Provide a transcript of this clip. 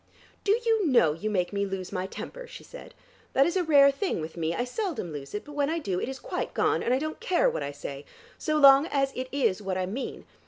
"Do you know you make me lose my temper?" she said. "That is a rare thing with me; I seldom lose it; but when I do it is quite gone, and I don't care what I say, so long as it is what I mean.